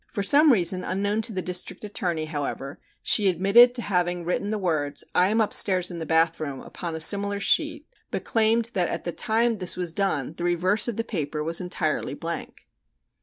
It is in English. For some reason unknown to the District Attorney, however, she admitted having written the words "I am upstairs in the bath room" upon a similar sheet, but claimed that at the time this was done the reverse of the paper was entirely blank.